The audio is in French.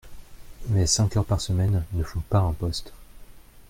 Mais cinq heures par semaine ne font pas un poste.